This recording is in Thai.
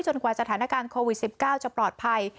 กว่าสถานการณ์โควิด๑๙จะปลอดภัย